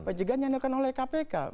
pencegahan yang dilakukan oleh kpk